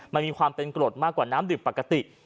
มันมีความเป็นกรดมากกว่าน้ำดื่มปกติ